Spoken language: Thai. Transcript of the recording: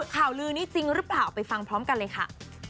ข่าวลือนี้จริงหรือเปล่าไปฟังพร้อมกันเลยค่ะ